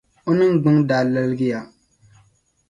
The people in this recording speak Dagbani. O ningbung daa laligiya.